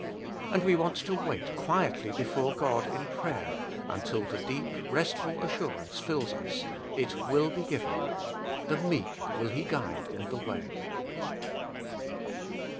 And we want to wait quietly before God in prayer, until the deep, restful assurance fills us : It will be given —* the meek will He guide in the way.'